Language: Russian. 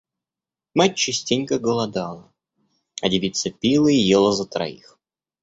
Мать частенько голодала, а девица пила и ела за троих.